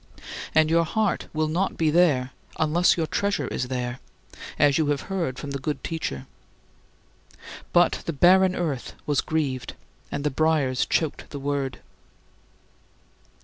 And your heart will not be there unless your treasure is there, as you have heard from the good Teacher. But "the barren earth" was grieved, and the briers choked the word.